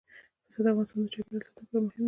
پسه د افغانستان د چاپیریال ساتنې لپاره مهم دي.